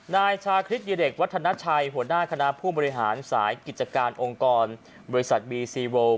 นายชาคริสดิเดกวัฒนาชัยหัวหน้าคณะผู้บริหารสายกิจการองค์กรบริษัทบีซีโวล